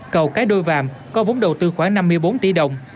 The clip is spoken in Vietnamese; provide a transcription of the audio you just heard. cầu cái đôi vàm có vốn đầu tư khoảng năm mươi bốn tỷ đồng